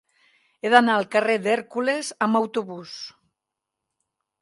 He d'anar al carrer d'Hèrcules amb autobús.